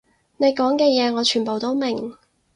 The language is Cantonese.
你講嘅嘢我全部都明